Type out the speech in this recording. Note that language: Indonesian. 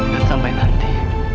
dan sampai nanti